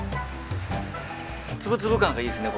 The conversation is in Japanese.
粒々感がいいですね